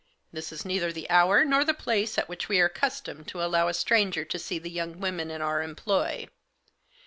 This is neither the hour nor the place at which we are accustomed to allow a stranger to see the young women^ in^our employ.